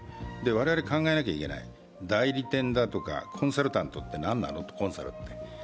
我々考えなきゃいけない代理店だとかコンサルタントって何なのって、コンサルって。